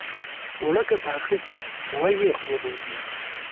اوړه که پاخه شي، وږې خولې بندېږي